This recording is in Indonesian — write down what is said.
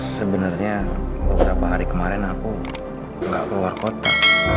sebenarnya beberapa hari kemarin aku nggak keluar kota